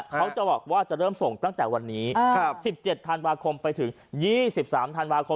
เขาจะบอกว่าเริ่มส่งตั้งแต่วันนี้๑๗ทานกไปถึง๒๓ทานก